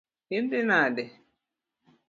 Idhi nade?